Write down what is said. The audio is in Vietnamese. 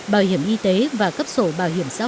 bảo hiểm y tế và cấp sổ bảo hiểm xã hội